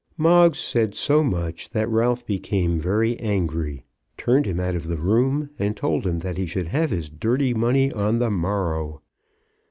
Moggs said so much that Ralph became very angry, turned him out of the room, and told him that he should have his dirty money on the morrow.